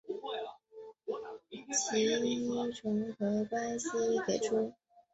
其重合关系可由以下重合矩阵给出。